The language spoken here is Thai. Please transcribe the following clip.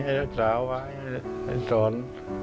ให้รักษาเอาไว้ให้สอน